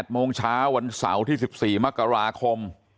โมงเช้าวันเสาร์ที่๑๔มกราคม